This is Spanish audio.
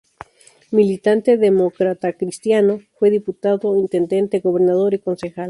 Militante demócratacristiano, fue diputado, intendente, gobernador y concejal.